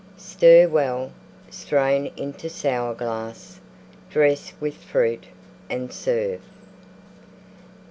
Stir well; strain into Sour glass; dress with Fruit and serve.